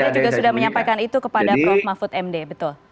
jadi saya sudah menyampaikan itu kepada prof mahfud md betul